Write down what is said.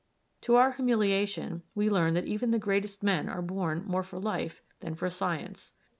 To our humiliation we learn that even the greatest men are born more for life than for science.